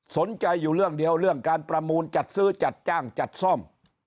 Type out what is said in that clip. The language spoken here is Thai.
สนใจอยู่เรื่องเดียวเรื่องการประมูลจัดซื้อจัดจ้างจัดซ่อม